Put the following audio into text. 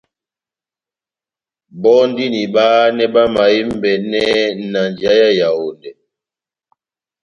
Bɔ́ndini bahanɛ bamahembɛnɛ na njeya yá Yawondɛ.